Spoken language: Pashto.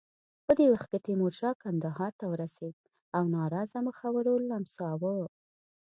په دې وخت کې تیمورشاه کندهار ته ورسېد او ناراضه مخورو لمساوه.